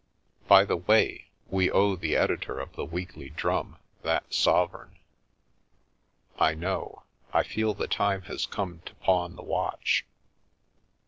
By the way, we owe the editor of the Weekly Drum that sovereign." " I know. I feel the time has come to pawn the watch."